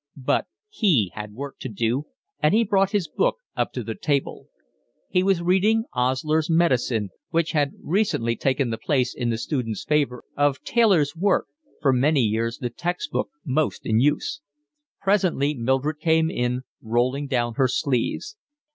But he had work to do, and he brought his book up to the table. He was reading Osler's Medicine, which had recently taken the place in the students' favour of Taylor's work, for many years the text book most in use. Presently Mildred came in, rolling down her sleeves.